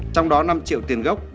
trong đó năm triệu tiền gốc